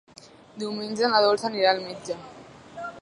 Diumenge na Dolça anirà al metge.